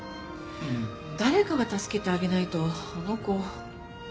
誰かが助けてあげないとあの子。